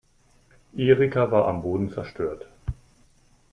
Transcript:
Erika war am Boden zerstört.